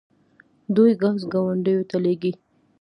دوی ګاز ګاونډیو ته لیږي.